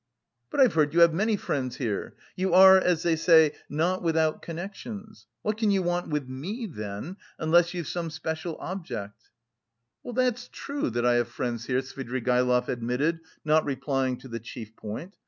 "But I've heard you have many friends here. You are, as they say, 'not without connections.' What can you want with me, then, unless you've some special object?" "That's true that I have friends here," Svidrigaïlov admitted, not replying to the chief point.